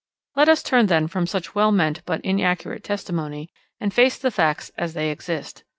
Let us turn then from such well meant but inaccurate testimony, and face the facts as they exist.